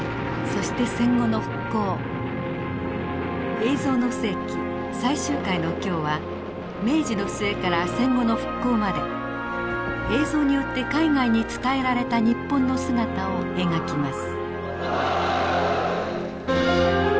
「映像の世紀」最終回の今日は明治の末から戦後の復興まで映像によって海外に伝えられた日本の姿を描きます。